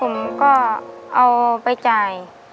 ผมก็เอาไปจ่าย